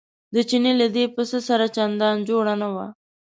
د چیني له دې پسه سره چندان جوړه نه وه.